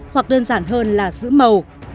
hoặc đơn giản hơn là giữ màu